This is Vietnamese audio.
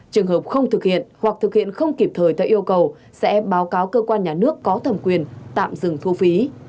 trường hợp không thực hiện hoặc thực hiện không kịp thời theo yêu cầu sẽ báo cáo cơ quan nhà nước có thẩm quyền tạm dừng thu phí